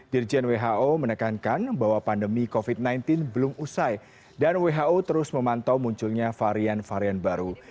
dirjen who menekankan bahwa pandemi covid sembilan belas belum usai dan who terus memantau munculnya varian varian baru